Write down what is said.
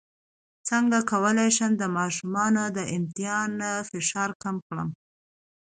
څنګه کولی شم د ماشومانو د امتحان فشار کم کړم